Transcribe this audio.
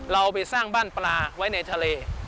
เราไปสร้างบ้านปลาไว้ในทะเล